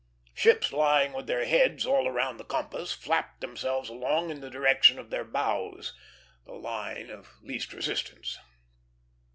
Ships lying with their heads "all around the compass" flapped themselves along in the direction of their bows, the line of least resistance.